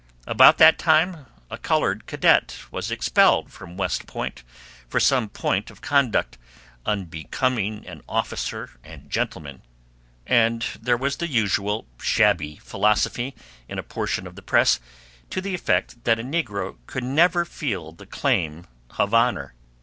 About that time a colored cadet was expelled from West Point for some point of conduct "unbecoming an officer and gentleman," and there was the usual shabby philosophy in a portion of the press to the effect that a negro could never feel the claim of honor.